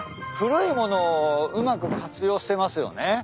古い物をうまく活用してますよね。